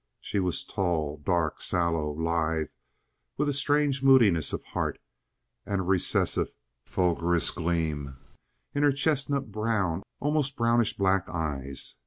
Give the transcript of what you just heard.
She was tall, dark, sallow, lithe, with a strange moodiness of heart and a recessive, fulgurous gleam in her chestnut brown, almost brownish black eyes.